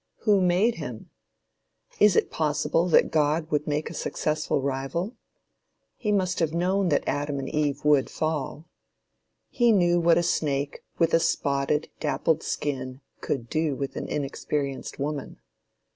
Who made him? Is it possible that God would make a successful rival? He must have known that Adam and Eve would fall. He knew what a snake with a "spotted, dappled skin" could do with an inexperienced woman.